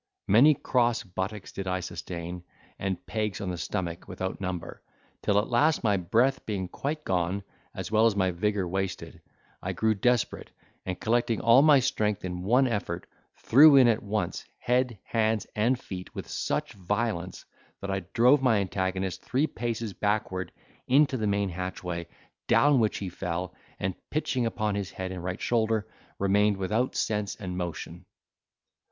Many cross buttocks did I sustain, and pegs on the stomach without number, till at last my breath being quite gone, as well as my vigour wasted, I grew desperate, and collecting all my strength in one effort, threw in at once, head, hands, and feet, with such violence, that I drove my antagonist three paces backward into the main hatchway, down which he fell, and pitching upon his head and right shoulder, remained without sense and motion.